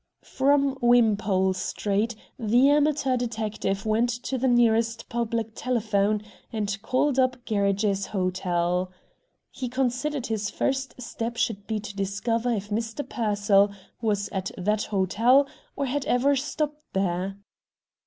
From Wimpole Street the amateur detective went to the nearest public telephone and called up Gerridge's Hotel. He considered his first step should be to discover if Mr. Pearsall was at that hotel, or had ever stopped there.